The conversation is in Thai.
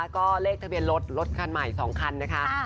ก็เลขทะเบียนรถรถคันใหม่๒คันนะคะ